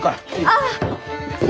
ああ？